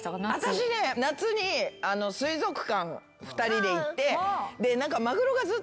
私ね夏に水族館２人で行ってで何か。